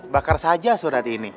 bakar saja surat ini